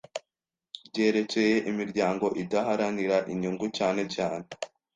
ryerekeye imiryango idaharanira inyungu cyane cyane